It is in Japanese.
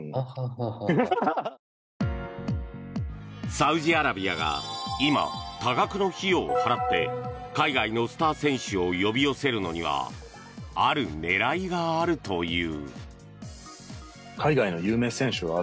サウジアラビアが今、多額の費用を払って海外のスター選手を呼び寄せるのにはある狙いがあるという。